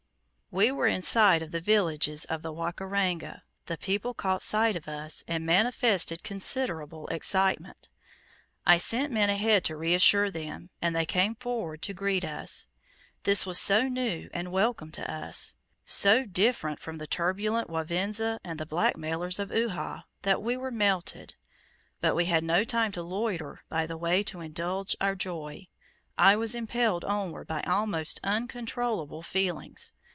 We were in sight of the villages of the Wakaranga; the people caught sight of us, and manifested considerable excitement. I sent men ahead to reassure them, and they came forward to greet us. This was so new and welcome to us, so different from the turbulent Wavinza and the black mailers of Uhha, that we were melted. But we had no time to loiter by the way to indulge our joy. I was impelled onward by my almost uncontrollable feelings.